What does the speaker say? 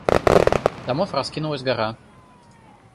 Домов раскинулась гора.